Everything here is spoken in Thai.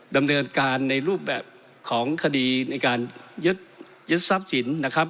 ดำเนินการในรูปแบบของคดีในการยึดทรัพย์สินนะครับ